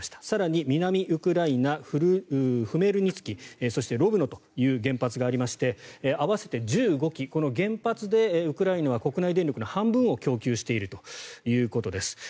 更に南ウクライナ、フメルニツキそしてロブノという原発がありまして合わせて１５基原発でウクライナは国内電力の半分を供給しているということです。